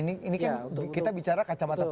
ini kan kita bicara kacamata politik